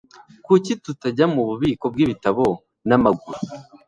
Kuki tutajya mububiko bwibitabo n'amaguru?